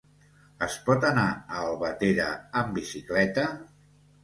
Es pot anar a Albatera amb bicicleta?